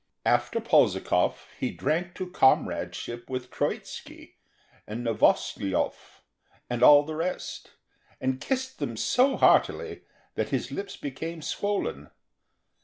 After Polzikov he drank to Comradeship with Troitzky and Novosyolov and the rest, and kissed them so heartily that his lips became swollen.